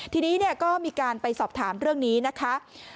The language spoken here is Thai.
ทีนี้ก็มีการไปสอบถามเรื่องนี้นะคะ